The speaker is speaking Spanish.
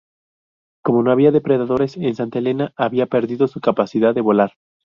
Como no había depredadores en Santa Elena, había perdido su capacidad de volar.